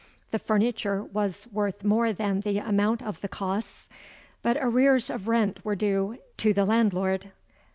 The furniture was worth more than the amount of the costs: but arrears of rent were due to the landlord.